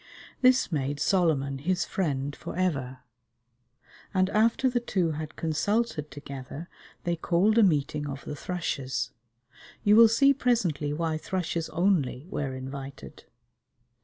This made Solomon his friend for ever, and after the two had consulted together they called a meeting of the thrushes. You will see presently why thrushes only were invited.